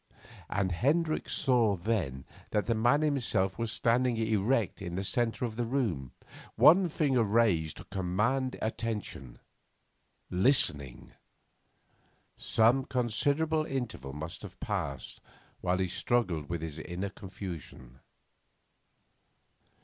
And Hendricks saw then that the man himself was standing erect in the centre of the room, one finger raised to command attention listening. Some considerable interval must have passed while he struggled with his inner confusion.